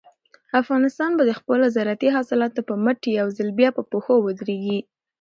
افغانستان به د خپلو زارعتي حاصلاتو په مټ یو ځل بیا په پښو ودرېږي.